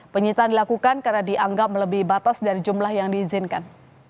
penyitaan dilakukan karena dianggap melebihi batas dari jumlah yang diizinkan